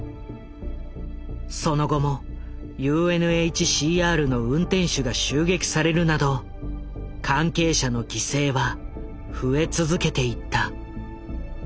その後もＵＮＨＣＲの運転手が襲撃されるなど関係者の犠牲は増え続けていった。